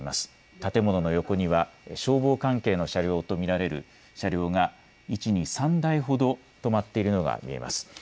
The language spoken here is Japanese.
建物の横には消防関係の車両と見られる車両が１、２、３台ほど止まっているのが見えます。